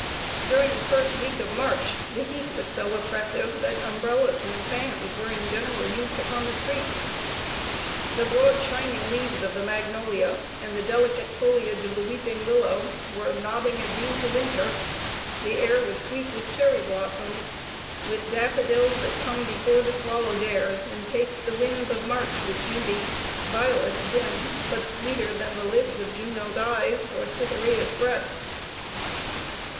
During the first week of March, the heat was so oppressive that umbrellas and fans were in general use upon the streets. The broad, shining leaves of the magnolia, and the delicate foliage of the weeping willow, were nodding adieu to winter; the air was sweet with cherry blossoms; with "Daffodils That come before the swallow dares, and take The winds of March with beauty; violets dim, But sweeter than the lids of Juno's eyes, Or Cytherea's breath." [Sidenote: CAPTAIN MCINTIRE, LATE OF THE ARMY.